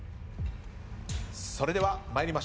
それでは参りましょう。